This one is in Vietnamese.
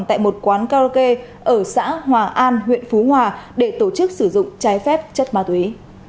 tại một quán karaoke ở xã hòa an huyện phú hòa để tổ chức sử dụng trái phép chất ma túy